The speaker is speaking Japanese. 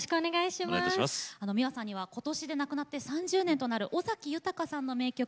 ｍｉｗａさんにはことしで亡くなって３０年となる尾崎豊さんの名曲